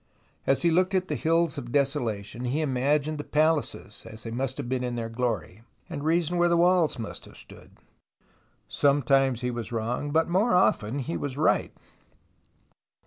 As he looked at the hills of desolation, he imagined the palaces as they must have been in their glory, and reasoned where the walls must have stood. Sometimes he was wrong, but more often he was right.